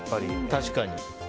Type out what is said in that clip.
確かに。